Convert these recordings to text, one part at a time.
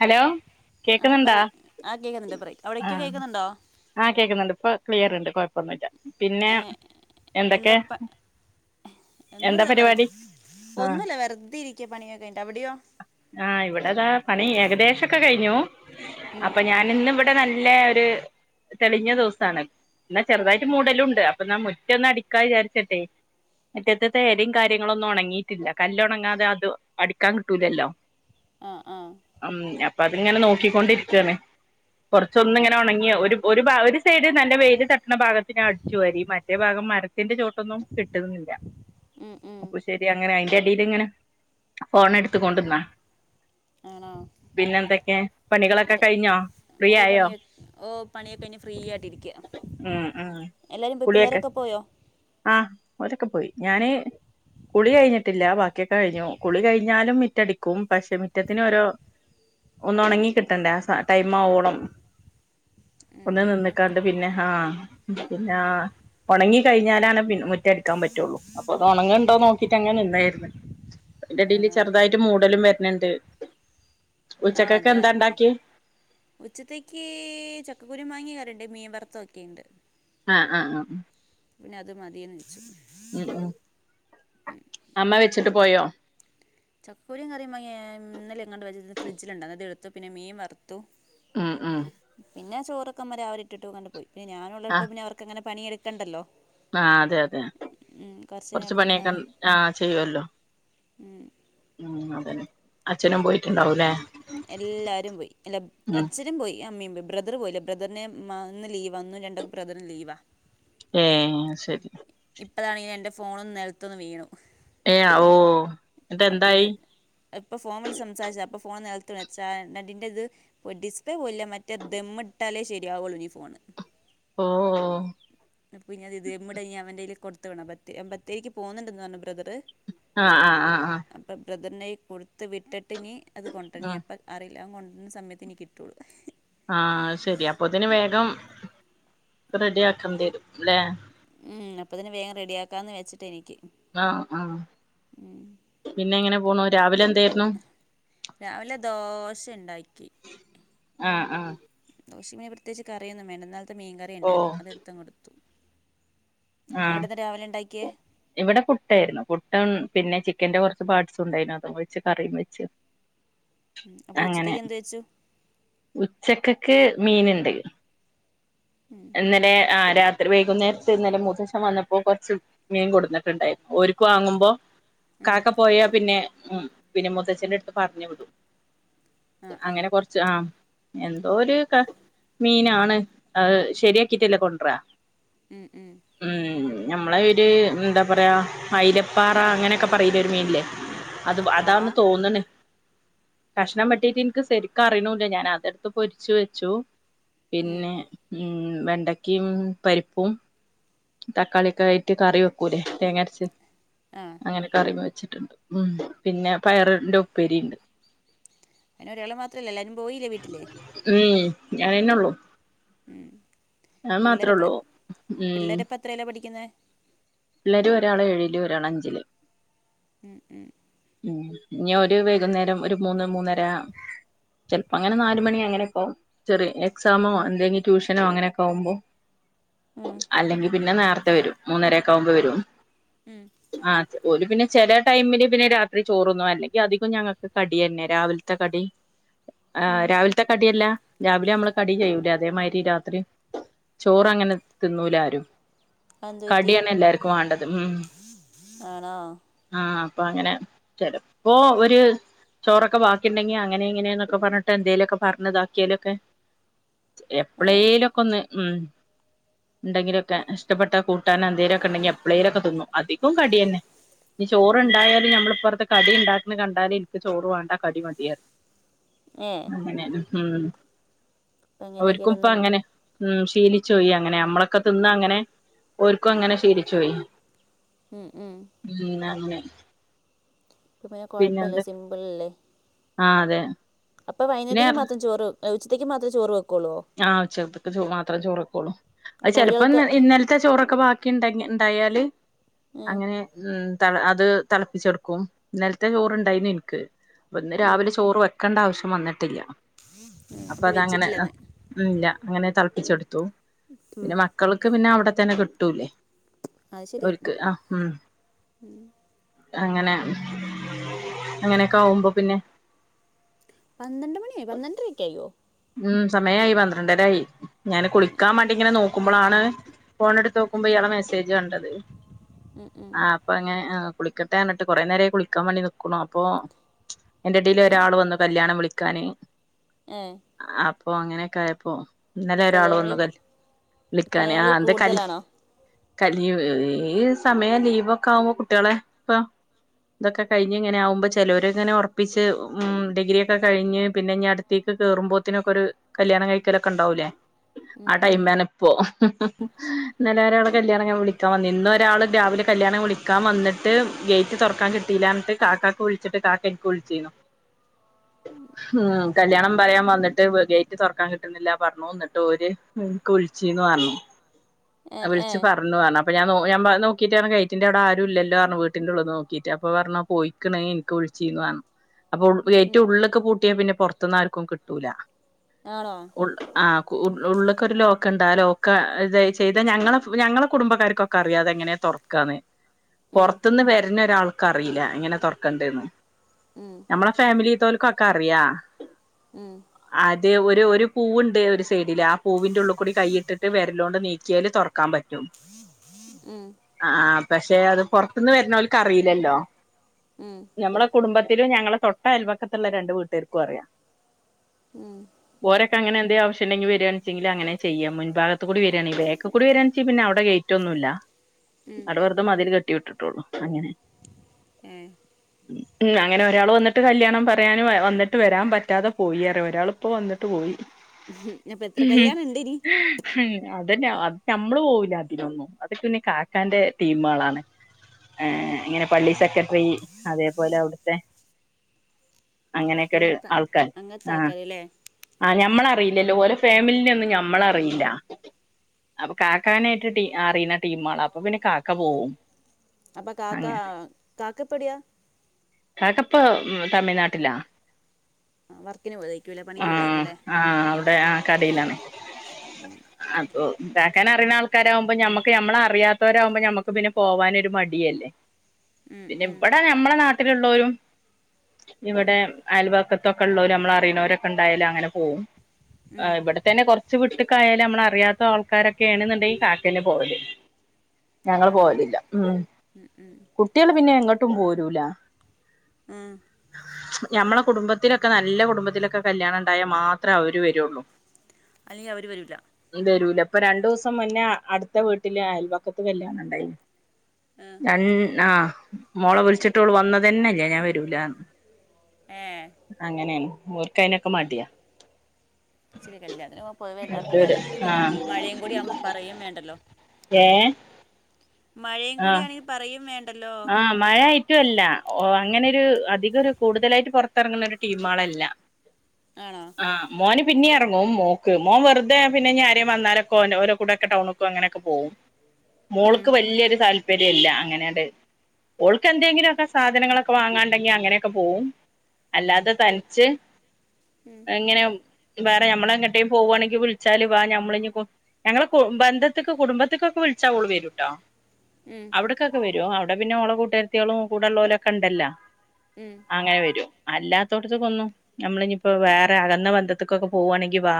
Hello ആ കേക്കുന്നിണ്ടാ പറയ് ആ കേൾക്കുന്നുണ്ട് പറയ് ആ അവിടേക്ക് കേൾക്കുന്നുണ്ടോ ആ കേക്കുന്നുണ്ട് ഇപ്പൊ ക്ലിറിണ്ട് കൊഴപ്പൊന്നുല്ല പിന്നെ ഏ എന്തൊക്കെ എ എന്താ ഒന്നുല്ല വെർ പരിപാടി ആഹ് ഒന്നുല്ല വെർതെ ഇരിക്ക പണിയൊക്കെയിഞ്ഞിട്ട് അവിടെയോ? ആഹ് ഇവിടെതാ പണി ഏകദേശൊക്കെ കയിഞ്ഞു ഉം അപ്പൊ ഞാനിന്നിവടെ നല്ലൊരു തെളിഞ്ഞ ദവസാണ് എന്നാ ചെറുതായിട്ട് മൂടലുണ്ട് അപ്പൊന്നാ മുറ്റൊന്ന് അടിക്കാ വിചാരിച്ചിട്ടെ മുറ്റ [unintelligible] കാര്യങ്ങളൊന്നും ഒണങ്ങിയിട്ടില്ല കല്ലൊണങ്ങാതെ അത് അടിക്കാൻ കിട്ടൂലല്ലോ ആ ആ ഉം അപ്പൊ അതിങ്ങനെ നോക്കിക്കൊണ്ടിരിക്കാണ് കുറച്ചൊന്ന് ഇങ്ങനെ ഉണങ്ങി ഒരു ഭാ ഒരു സൈഡ് നല്ല വെയില് തട്ടണ ഭാഗത്ത് ഞാന് അടിച്ചു വരി മറ്റേ ഭാഗം മരത്തിന്റെ ചോട്ടൊന്നും കിട്ടുന്നില്ല ഉം ഉം അപ്പൊ ശരി അങ്ങനെ അയിൻ്റെ അടീല് ഇങ്ങനെ ഫേണെട്ത്ത് കൊണ്ടിന്നാ ആണോ [unintelligible] പണികളൊക്കെ കഴിഞ്ഞോ ഫ്രീ ഓ ആയോ പണിയ ഓ പണിയൊക്കെ ഇനി ഫ്രീ ആയിട്ടിരിക്ക ഉം എല്ലാരും പോയ്‌ പിള്ളേരൊക്കെ പോയോ ആ ഓരൊക്കെ പോയി ഞാന് കുളി കഴിഞ്ഞിട്ടില്ല ബാക്കിയൊക്കെ കഴിഞ്ഞു കുളി കഴിഞ്ഞാലും മുറ്റടിക്കും പക്ഷെ മുറ്റത്തിന് ഓരോ ഒന്ന് ഉണങ്ങി കിട്ടണ്ടേ ആ ടൈം ആവൊളം ഒന്ന് ഉം നിന്ന്ക്കാണ്ട് പിന്നെ ആ പിന്നെ ആ ഉണങ്ങി കഴിഞ്ഞാലാണ് പിൻ മുറ്റ അടുക്കാൻ പറ്റുള്ളൂ അപ്പൊ ഉണങ്ങണ്ടോന്ന് നോക്കിട്ട് അങ്ങനെ നിന്നായിരുന്നു അതിന്റടിയിൽ ആണോ ചെറുതായിട്ട് മൂടലും വരണണ്ട് ആ ഉച്ചക്കേക്ക് അതാ എന്താ ഉണ്ടാക്കിയെ? ഉച്ചത്തേക്ക് ചക്കക്കുരു മാങ്ങയും കറിയുണ്ട് മീൻ വറുത്തത് ഒക്കെയുണ്ട് അ ആ ഉം പിന്നെ അത് മതിയന്ന് വെച്ചു ഉം അമ്മ വെച്ചിട്ട് പോയോ ചക്കക്കുരുവും കറിയും ഇന്നെലെങ്ങാണ്ട് വച്ചത് ഫ്രിഡ്ജിലുണ്ട് അത് എടുത്തു പിന്നെ മീൻ വറ ഉം ഉം പിന്നെ ചോറൊക്കെമരെ അവരിട്ടിട്ട് എങ്ങാണ്ട് പോയി ഇപ്പൊ ഈ ആ ഞാനുള്ളപ്പോ പിന്നെ അവർക്കെങ്ങന പണിയെടുക്കേണ്ടല്ലോ ആ അതെ അതെ കുറച്ച് നേരം കൊറച്ച് പണിയൊക്കെ ആ ചെയ്യുവല്ലോ ഉം ഉം അതെ അച്ഛനും പോയിട് എല്ലാരും പോയി പിന്നെ എല്ല ഉം അച്ഛനും പോയി അമ്മേം പോയി ബ്രദർ പോയില്ല ബ്രദറിനെ മ ഇന്ന് ലീവ ഒന്നും രണ്ടും ബ്രദറിന് ലീവാ ഏ ശരി ഇപ്പതാണങ്കി എന്റെ ഫോണൊന്ന് നിലത്തൊന്ന് വീണു ഏ ഓ എന്നിട്ട് ഇത് എന്തായി ഇപ്പൊ ഫോൺ വിളിച്ചു സംസാരിച്ചത അപ്പൊ ഫോൺ നി വെച്ചായേന്റെത് ഡിസ്പ്ലേ പോയില്ല മറ്റേ ദമ്മിട്ടാലേ ശരിയാവുള്ളൂ ഈ ഫോണ് ഓ ഓ അപ്പൊ പിന്നെ ഇത് ദമ്മിടാൻ ഇനി അവന്റെൽ കൊടുത്തുവിടണം ബത്തേ അവൻ ബത്തേരിക്ക് പോകുന്നുണ്ടന്ന് പറഞ്ഞ ആ ആ ആ ആ [unintelligible] അപ്പൊ ബ്രദറിന്റ കൈ കൊടുത്ത് വിട്ടട്ട് ട്ടട്ട് ഇനി അത് കൊണ്ടണി ഇനി ഉം എപ്പം അറിയില്ല അവൻ കൊണ്ടുവരണ സമയത്ത് ഇനി കിട്ടുവുള്ളൂ ആ ശരി അപ്പൊത്തേന് വേഗം റെഡി ആക്കാൻ തരും അല്ലേ അപ്പോത്തെന് വേഗം റെഡിയാക്കാന്ന് വെച്ചിട്ട് എനിക്ക് ആഹ് പോണോ, രാവിലെ എൻ രാവിലെ ദോശണ്ടാക്കി. ആഹ് ആഹ്‌. ദോശമേ പ്രത്യേകിച്ച് കറിയൊന്നും വേണ്ട ഇന്നൽത്തെ മീൻ ഓ കറിണ്ടായിരുന്നു അത് എടുത്തങ്ടുത്തു. ആ ഉണ്ടാക്കിയേ ഇവിടെ പുട്ടായിരുന്നു പുട്ടും പിന്നെ ചി ചിക്കന്റെ കുറച്ച് പാർട്സും ഉണ്ടായിരുന്നു അതും വെച്ച് കറിയും വെച്ച് അപ്പോൾ അങ്ങനെ ഉച്ചത്തേക്ക് എന്ത് വെച്ചു ഉച്ചക്കെക്ക് മീനുണ്ട് ഇന്നലെ ആ രാത്രി വൈകുന്നേരത്ത് ഇന്നല മു ച്ഛൻ വന്നപ്പോ, കൊർച്ച് മീൻ കൊട്‌ന്ന്ട്ടുണ്ടായിരുന്നു, ഓര്ക്കു വാങ്ങുമ്പോ കാക്ക പോയാ പിന്നെ ഉം, പിന്നെ മൂത്തച്ഛന്റെടുത്ത് പറഞ് വിട്‌, ആ ആ അങ്ങനെ കൊർച്ച് ആ എന്തോ ഒരു ക മീനാണ്, അത് ശരിയാക്കിട്ടല്ലേ കൊണ്ടറാ. ഉം. ഞമ്മളെ ഒരു ന്താ പറയാ അയിലപ്പാറ അങ്ങനെയൊക്കെ പറയിലെ ഒരു മീനില്ലേ അത് അതാണ് ആ തോന്ന്ണ്. കഷ്ണം വെട്ടീട്ട് ഇൻക്ക് സരിക്ക് അറിണൂല്ല, ഞാൻ അതട്ത്ത് പൊരിച്ചു വെച്ചു. പിന്നെ ഉം വെണ്ടകിം പരിപ്പും. തക്കാളി ഒക്കെ ആയിട്ട് കറി വെക്കൂലേ? തേങ്ങരച്ച് ആ അങ്ങനെ കറി വെച്ച്. ഉം പിന്നെ പയർന്റുപ്പേരിണ്ട്. അയ്നൊരാള് മാത്രല്ല, ല്ലാരും പോയിലേ വീട്ടില്? ഞാനെന്നൊള്ളു. ഉം പിള്ളേരെപ്പ ഉം പിള്ളേര്പ്പ ത്രേലാ പഠിക്കുന്നേ? പിള്ളേര് ഒരാള് ഏഴില്, ഒരാള് അഞ്ചില്. ഉം ഉം. ഉം, ഞൊര് വൈകുന്നേരം ഒരു മൂന്ന് മൂന്നര ചെല്പ്പോ ങ്ങനെ നാല് മണി അങ്ങനെക്കാവും, ചെറി എക്സാമോ ണ്ടെങ്കി ട്യൂഷനോ അങ്ങനെകാവുമ്പോ ഉം അല്ലെങ്കി പിന്നെ നേർത്തെ വരും, മൂന്നരൊക്കാവുമ്പ വരും, ഉം ആത് ഓല് പിന്നെ ചെലെ ടൈമില് പിന്നെ രാ ത്രി ചോർന്നും, അല്ലെങ്കി അധികം ഞങ്ങക്ക് കട്യന്നെ, രാവില്ത്തെ കടി. ആ, ഉം രാവില്ത്തെ കട്യല്ല? രാവിലെമ്മള് കടി ചെയ്യൂലേ, അതേമാരി രാത്രി ചോറ ങ്ങനെ തിന്നൂലാരും. അതെന്ത് പറ്റി കട്യന്നെ ല്ലാർക്കും വാണ്ടത് ഉം, ആണോ ആഹ്. പ്പൊ ങ്ങനെ ചെലപ്പോ ഒര് ചോറൊക്കെ വാക്കിണ്ടെങ്കി അങ്ങനെ ഇങ്ങനെന്നൊക്കെ പർഞ്ഞിട്ടെന്തേലൊക്കെ പർഞ്താക്ക്യാലൊക്കെ ഏഹ് എപ്പളേലൊക്കൊന്ന് ഉം, ണ്ടെങ്കിലൊക്കെ ഇഷ്ടപ്പെട്ട കൂ ട്ടാനൊ ന്തേലൊക്കെ ണ്ടെങ്കി എപ്ളേലൊക്കെ ത്ന്നും, അതികം കട്യന്നെ, ഞ് ചോറ്ണ്ടായാല് ഞമ്മൾപ്പർ കടി ണ്ടാക്ക്ണ് കണ്ടാല് ഇന്ക്ക് ചോറ് വാണ്ട, കടി മതി അറിം, അങ്ങനെണ്. ഉം. എങ്ങനെ ഓര്ക്കും ഇപ്പ ക്കെരന്നുൻ അങ്ങനെ ഉം, ശീലിച്ചോയി അങ്ങനെ ഞമ്മളൊക്കെ തിന്ന അങ്ങനെ ഓര്ക്കും അങ്ങനെ ശീലിച്ചോയി. ഉം ഉം ഉം നന്ന് [unintelligible] പിന്നെ കൊഴപ്പല്ല സിംമ്പിളല്ലേ? ആഹ്‌, അതെ. അപ്പൊ പിന്നെ വൈന്നേരത്തേക്ക് മാത്രം ചോറ് വെ ഉച്ചത്തേക്ക് മാത്രം ചോറ് വെ ആഹ് ഉച്ചകത്ത്ക്ക് ചോ മാത്രം ചോറൊക്കൊള്ളൂ, അഹ് അപ്പൊ ചെലപ്പം ഒരാൾക്ക് ന്നൽ ഇന്നൽത്തെ ചോറൊ ക്കെ ബാക്കിണ്ടങ്ങി ണ്ടായാല് ഉം അങ്ങനെ ഉം തള അത് തള്പ്പിച്ചെട്‌ക്കും, ന്നൽത്തെ ചോറ്ണ്ടായിന്ന് ഇൻക്ക്. പ്പ ന്ന് ഉം ഉം രാവിലെ ചോറ് വെക്കണ്ടാവശ്യം വന്ന്ട്ടില്ല അപ്പ അപ്പം തങ്ങനെ വെച്ചിട്ടില്ലന്ന് ഉം ല്ലാ അങ്ങനെ തളപ്പിച്ചെടുത്തു, ഉം പിന്നെ മക്കൾക്ക് പിന്നെ അവടെ തന്നെ കിട്ടൂലേ. അത് ശരിയാ ഓര്ക്ക് ആഹ് ഉം. അങ്ങനെ, അങ്ങനൊക്കാവുമ്പോ പിന്നെ പന്ത്രണ്ട് മണിയെ പന്ത്രണ്ടരയ്ക്കായോ? ഉം, സമയായി പന്ത്രണ്ടരായി, ഞാന് കുളിക്കാമാണ്ടി ങ്ങനെ നോ ക്കുമ്പളാണ് ഫോണെടുത്തോക്കുമ്പോ ഇയാളെ മെസ്സേജ് കണ്ടത് ഉം ഉം ആ പ്പ ങ്ങനെ ആഹ് കുളിക്കട്ടെ ന്നട്ട് കൊറെ നേരായി കുളിക്കാം വേണ്ടി നിക്ക്ണു, അപ്പൊ അയ്ന്റെടീൽ ഒരാളു വന്നു കല്യാണം വിളി ക്കാന് ഏ അപ്പൊ അങ്ങനൊക്കായപ്പോ ഇന്നലൊരാൾ കല്യാണ വന്നു വിളി കല്ല വിളിക്കാന് കല്യാണ ആ വിളി ന്ത് കല്ല് കൂടുതലാണോ ക ലീവ് ഈ സമയം ലീവൊക്കാവുമ്പോ കുട്ട്യാളെ പ്പം തൊക്കെ കഴിഞ്ഞ് ങ്ങനെ ആവുമ്പോ ചിലോർ ങ്ങനെ ഒർപ്പിച്ച് ഉം ഡിഗ്രിയൊക്കെ കഴിഞ്ഞ് പിന്നെ ഞ് അട് ത്തേ ക്ക് കേറുമ്പോ ത്തിനൊക്കൊര് കല്യാണം കൈക്കലൊക്കെ ണ്ടാവൂലേ ഉം ആ ഉം ടൈമാണ് പ്പോ ന്നരാള് കല്യാണം ഞാൻ വിളിക്കാൻ വന്നീനി ന്നൊരാള് രാവിലെ കല്യാണം വിളിക്കാൻ വന്ന്ട്ട് ഗേറ്റ് തൊറക്കാൻ കിട്ടീല ന്നട്ട് കാക്കാക്ക് വുള്ച്ച്ട്ട് കാക്ക ഇന്ക്ക് വിൾച്ചീന്നു. ഉം കല്ല്യാണം പറയാൻ വന്ന് ട്ട് ഗേറ്റ് തൊർക്കാൻ കിട്ട്ണ്ല്ല പർഞ്ഞു ന്നട്ട് ഒര് ഇക്ക് വിൾച്ചീന്നു അർഞ്ഞു ഏഹ് വിളിച്ച് ഏഹ് പർഞ്ഞു ർഞ്ഞു അപ്പ ഞാ ഞാം നോക്കിട്ട് ഗയ്റ്റി്ന്റെ അവിടെ ആരും ല്ലല്ലോ റഞ്ഞു വീട്ട് ന്റെ ഉള്ള് ന്ന് നോക്കിട്ട് അപ്പോ പറഞ്ഞു പോയിക്കണ് ഇൻക്ക് വിൾ ചീന്നു ർ ഞ്ഞു അപ്പൊ ഗേറ്റ് ഉം ഉള്ള്ക്പൂട്ടിയാ പിന്നെ പുറത്ത്ന്ന് ആർക്കും കിട്ടൂല ആണോ ആ. ഉള്ള്ക്കൊരു ലോക്ക്ണ്ട് ആ ലോക്ക ഇത ചെയ്ത ഞങ്ങളെ ഞങ്ങളെ കുടുംബക്കാർക്കൊക്കെ അറിയാ തെങ്ങനെ തൊർക്കാന്ന് ഉം പുറത്ത്ന്ന് വരുന്ന ഒരാൾക്ക് അറിയില്ല എങ്ങനെ തുറക്കണ്ടേന്ന്. ഉം നമ്മളെ ഫാമിലിത്തോൽക്ക്കെ അറിയാ. ഉം അത് ഒര് ഒര് പൂവുണ്ട് ഒരു സൈഡില് ആ പൂവിന്റെ ഉള്ളികൂടി കൈയിട്ടിട്ട് വിരലോണ്ട് നീക്കി ക്യാൽ തുറക്കാൻ പറ്റും ഉം ആ. പക്ഷെ അത് പുറത്തുന്ന് വരുന്നോൽക്ക് അറിയില്ലല്ലോ ഉം നമ്മള കുടുംബ തിലും ഞങ്ങളെ തൊട്ട അൽവക്കത്തുള്ള രണ്ട് വീട്ടുകർക്കും അറിയാം. ഉം ട്ട് അങ്ങനെ എന്തെ ആവശ്യണ്ടെങ്കി വ രാണ് ച്ചങ്കി അങ്ങനെ ചെയ്യ മുൻാഗത്ത് കൂടി വരാണെങ്കി ബേക്കി കൂടി വരാണ ചെങ്കി പിന്നെ അവിടെ ഗേറ്റ് ഒന്നുല്ല. ഉം അവിടെവെർതേ മതിൽ കെട്ടി വിട്ടിട്ടുള്ളു അങ്ങനെ. ഏ ഉം അങ്ങനെ ഒരാൾ വന്ന്ട്ട് കല്യാണം പറയാന് വന്നിട്ട് വരാൻ പറ്റാതെ. പോയീ റഞ്ഞ്ഒരാള്ഇപ്പോ വന്നിട്ട് പോയി. അപ്പം എത്ര കല്യാണം ഉണ്ട് ഇനി അതന്നെ അ നമ്മള് പോകില്ല അതിനൊന്നും അത് പിന്നെ കാക്കാന്റെ ട്ടീമാളാണ്. ഏഇങ്ങനെ പള്ളി സെക്രട്ടറി അതേപോലെ അവിടുത്തെ. അങ്ങനെയൊക്കെരു അങ്ങനത്തെ ആൾക്കാര് അങ്ങനത്തെ ആ ആൾക്കാരല്ലേ ആ ഞമ്മള റീ ഇല്ലല്ലോ ഓരോ ഫാമിലി നെ ഒന്നും ഞമ്മള് റീല്ല. അപ്പൊ കാക്കാനായിട്ട് അറിണടീമാളാ അപ്പൊ പിന്നെ കാക്ക പോവും. അപ്പൊ കാക്ക അങ്ങനെ കാക്ക എപ്പടിയാ. ഇപ്പൊ തമിഴ്നാട്ടിലാ. ആ വർക്കിന് പോയതക്കുല്ലേ പണിക്ക് ആഹ് പോയതായിക്കുംല്ലേ ആഹ് അവിടെ ആ ഇണ്ടാക്കാൻ അറിണ ആൾക്കാരാവുമ്പോ നമ്മക്ക് നമ്മളെ അറിയാത്തവരാവുമ്പോ നമ്മക്ക് പിന്നെ പോവാനൊരു മടിയല്ലേ. ഉം പിന്നെ ഉം ഇവിടെ നമ്മളെ നാട്ടിലു ള്ളോരും ഉം ഇവിടെ അയൽവാക്ക ക്കെള്ളോല് നമ്മളെ അറിണേര് കെ ഇണ്ടായാൽഅങ്ങനെ പോകും ഉം ഇവിടെത്തന്നെ കുറച്ച് വിട്ട്ക്കായാലും. നമ്മള അറിയാത്ത ആൾക്കാരൊക്കെ ണ് ന്ന്ണ്ടെങ്കി കാക്കേന്നെ പോവല്. ഞങ്ങൾ ആണോ പോവലില്ല ഉം ഉം ഉം കുട്ടികള് പിന്നെ എങ്ങട്ടും പോരൂല. ഉം ഞമ്മളെ കുടുംബ ത്തിലൊക്കെ നല്ല കുടുംബത്തിലൊക്കെ കല്യാണം ണ്ടാ യാ മാത്ര അവര് വരുള്ളൂ. അല്ലെങ്കി അവര് വരൂല്ല. വരൂല ഇപ്പൊ രണ്ടു ദിവസം മുന്നേ അടുത്ത വീട്ടില് അയൽവക്കത്ത് കല്യാണം ണ്ടായിന്നു ആ ഉം ആ മോളെ വിളിച്ചിട്ടോള് വന്നതുതന്നേയില്ല ഞാൻ വരൂലയെന്നു ആഹ അങ്ങനെയാണ് ഓൽക്ക് അയ് നൊക്കെ മടിയാ. ഇച്ചിരി കല്യാണത്തിന് പൊതുവെ എല്ലാർക്കും മതി ഇപ്പത്തെ ആ മഴയും കൂടി ആകുമ്പോപറയും വേണ്ടല്ലോ. ഏ മഴയും കൂടാണെങ്കിൽ പറയും വേണ്ട. ആഹ മഴായിട്ടുംല്ല അങ്ങനെരു. അധികം കൂടുതലായിട്ട് പുറത്തിറങ്ങുന്ന ഒരു ടീമുകൾ അല്ല ആണോ മോനെ.. പിന്നെ ഇറങ്ങും മോക്ക് മോൻ വെറുതെ പിന്നെ ആരെങ്കിലും വന്നാലൊക്കോ ഓല കൂടെ ഒക്കെ ടൗണൊക്കോ അങ്ങനെയൊക്കെ പോകവും. ഉം മോൾക്ക് വല്യൊരു താല്പര്യം ഇല്ല അങ്ങനെയ ണ്ട്. ഓൾക്ക് എന്തെങ്കിലുക്കെ സാധനങ്ങളൊക്കെ വാങ്ങാണ്ടെങ്കി അങ്ങനെയൊക്കെ പോവും. അല്ലാതെ തനിച്ച് ഉം ഇങ്ങനെ. വേറെ നമ്മളെങ്ങട്ടേും പോവുകവാണെങ്കിൽ വിളിച്ചാല് വാ മ്മൾ ഞങ്ങളെ ബന്ധത്തിക്ക് കുടുംബത്തിക്കൊക്കെ. വിളിച്ച ഓൾ വരുട്ടോ. ഉം അവിടക്കൊക്കെ വരും അവിടെ പിന്നെ ഓളകൂട്ടുകരുത്തികളും കൂടെള്ളഓലും ഒക്കെ ഉണ്ടല്ലോ ഉം അങ്ങനെ വരു. അല്ലാത്തോടത്ത കൊന്നു നമ്മള് ഇനിയിപ്പോ വേറെ അകങ്ങന്ന ബന്ധത്തക്കൊക്കെ പോവുവാണെങ്കി വാ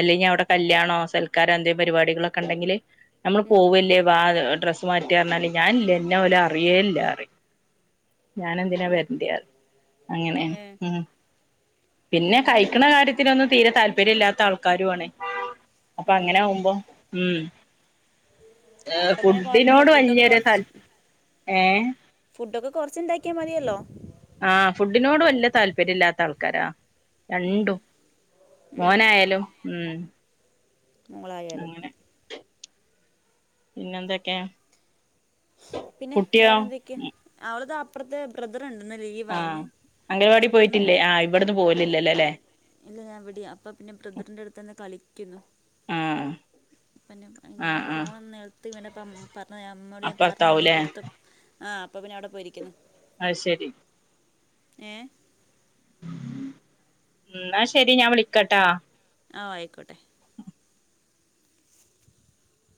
അല്ലയെക്കിൽ അവിടെ കല്യാണോ സൽക്കാരോ എന്തേ പരിപാടികളൊക്കെ ഉണ്ടെങ്കില് നമ്മള് ഉം പോവല്ലേ വാ ഡ്രസ്സ് മാറ്റി പറഞ്ഞാല് ഞാൻ ഇല്ലാ എന്ന പോലെ അറിയേല്ലാറിയില്ല ഞാനെന്തിനാ ഉം വരണ്ട അങ്ങനെയ ഏ ഉം പിന്നെ അങ്ങനെ കഴിക്കണ വരും കാര്യത്തിൊന്ന തീരെ താല്പര്യ താല്പര്യമില്ല ആൾക്കാരു ആണ് അപ്പൊ ആ അങ്ങനെ ആകുമ്പോ ഉം ഏ അപ്പം പിന്നെ കുഴപ്പമില്ല ഫുഡിനോട് വലിയൊരു താല്പര്യ യെ ഫുഡ ഒക്കെ കൊറച്ചുണ്ടാക്കിയാൽ മതിയല്ലോ ആഹ ഫുഡിനോട് വലിയ താല്പര്യം ഇല്ലാത്ത ആൾക്കാരാ ഉം രണ്ടു മോനായാലോ ഉം മോളുയാലും പിന്നെന്തൊക്കെയ പിന്നെ വേറെ എന്തൊക്കെയ അവള അപ്പുറത്തെ ബ്രദർ ആഹ അംഗൽവാടി പോയിട്ടില്ലേ ആഹ് ഇവിടന്നന്ന് പോവലില്ലല്ലോ അല്ലേ ഇല്ല ഞാൻ എവിടെയാ അപ്പ പിന്നെ ബ്രദറിന്റെ അടുത്ത് തന്നെ കളി കളിക്കുന്നു ആ പിന്നെ ആ ഈ ആ ഫോൺ ഒന്ന് നിലത്ത് വീണപ്പം പറഞ്ഞ അമ്മോട് ഞാൻ പറഞ്ഞല്ലേ അപ്പറത്താവൂലേ പുറത്ത് ആ അപ്പൊ പിന്നെ അവിടെ പോയിരിക്കുന്നു അഹ ശരി ഏ എന്നാ ശെരി ഞാൻ വിളിക്കട്ടാ ആ ആയിക്കോട്ടെ